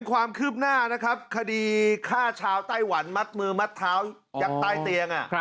ความคืบหน้านะครับคดีฆ่าชาวไต้หวันมัดมือมัดเท้ายักษ์ใต้เตียง